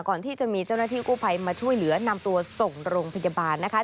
ก่อนที่จะมีเจ้าหน้าที่กู้ภัยมาช่วยเหลือนำตัวส่งโรงพยาบาลนะคะ